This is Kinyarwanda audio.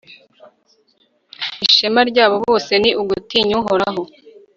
ishema ryabo bose ni ugutinya uhoraho